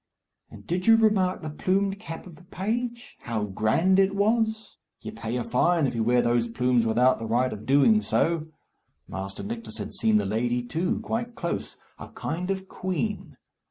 And did you remark the plumed cap of the page? How grand it was! You pay a fine if you wear those plumes without the right of doing so. Master Nicless had seen the lady, too, quite close. A kind of queen.